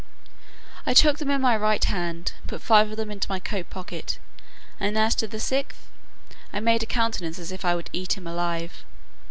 I took them all in my right hand, put five of them into my coat pocket; and as to the sixth, I made a countenance as if I would eat him alive.